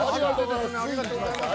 ありがとうございます。